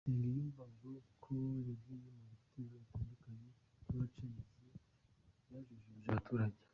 Nsengiyumva avuga ko yagiye mu bitero bitandukanye by’abacengezi byajujubije abaturage.